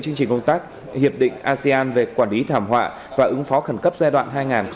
chương trình công tác hiệp định asean về quản lý thảm họa và ứng phó khẩn cấp giai đoạn hai nghìn hai mươi hai nghìn hai mươi năm